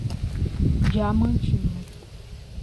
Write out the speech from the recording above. Diamantino